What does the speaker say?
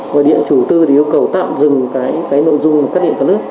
gói điện chủ tư thì yêu cầu tạm dừng cái nội dung cắt điện cắt nước